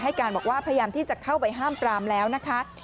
การบอกว่าพยายามที่จะเข้าไปห้ามปรามแล้วนะคะ